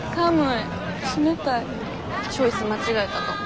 チョイス間違えたかも。